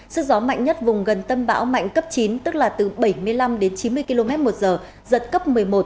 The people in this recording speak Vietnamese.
sức gió mạnh nhất vùng gần tâm bão mạnh cấp chín tức là từ bảy mươi năm đến chín mươi km một giờ giật cấp một mươi một